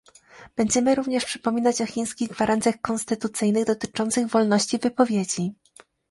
Będziemy również przypominać o chińskich gwarancjach konstytucyjnych dotyczących wolności wypowiedzi